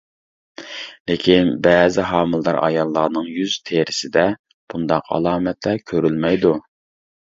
لېكىن بەزى ھامىلىدار ئاياللارنىڭ يۈز تېرىسىدە بۇنداق ئالامەتلەر كۆرۈلمەيدۇ.